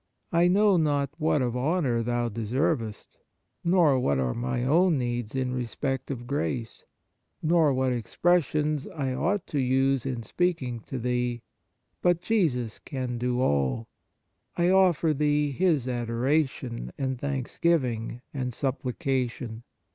I know not what of honour Thou deservest, nor what are my own needs in respect of grace, nor what expressions I ought to use in speaking to Thee ; but Jesus can do all ; I offer Thee His adoration and thanksgiving and supplication.